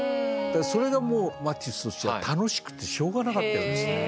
それがもうマティスとしては楽しくてしょうがなかったようですね。